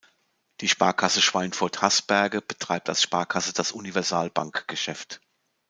Die Sparkasse Schweinfurt-Haßberge betreibt als Sparkasse das Universalbankgeschäft.